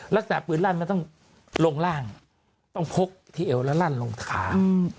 ลักษณะปืนลั่นมันต้องลงร่างต้องพกที่เอวแล้วลั่นลงขา